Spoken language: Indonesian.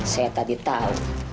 saya tadi tahu